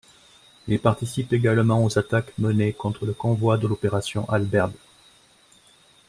Il participe également aux attaques menées contre le convoi de l'opération Halberd.